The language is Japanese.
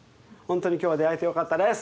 本当に今日は出会えてよかったです。